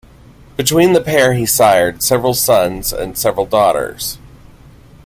Between the pair he sired several sons and several daughters.